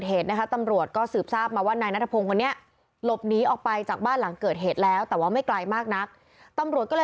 เดินวนเวียนอยู่ใกล้กับบ้านนั่นแหละค่ะ